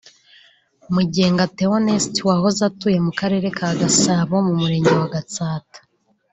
Mugenga Theoneste wahoze atuye mu Karere ka Gasabo mu Murenge wa Gatsata